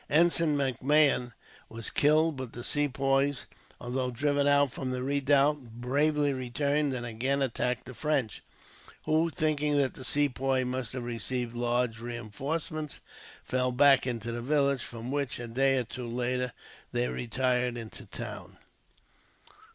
Ensign MacMahon was killed, but the Sepoys, although driven out from the redoubt, bravely returned and again attacked the French; who, thinking that the Sepoys must have received large reinforcements, fell back into the village; from which, a day or two later, they retired into the town.